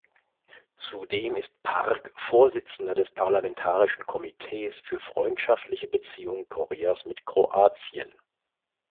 Zudem ist Park Vorsitzender des parlamentarischen Komitees für freundschaftliche Beziehungen Koreas mit Kroatien.